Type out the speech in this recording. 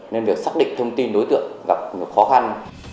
nên việc xác định thông tin đối tượng gặp khó khăn